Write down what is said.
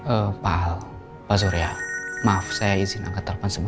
elsa gak bisa terima